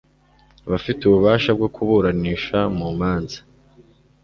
afite ububasha bwo kuburanisha mu manza